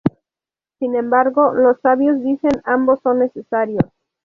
Sin embargo, los sabios dicen ambos son necesarios.